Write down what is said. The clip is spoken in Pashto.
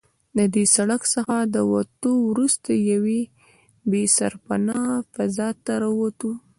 له دې سړک څخه له وتو وروسته یوې بې سرپنا فضا ته راووتو.